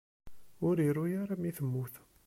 Ur iru ara mi temmut.